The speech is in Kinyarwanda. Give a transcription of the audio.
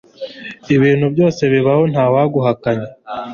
ibintu byose bibaho ntawaguhakanya